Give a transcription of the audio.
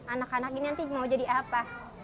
anak anak ini nanti mau jadi apa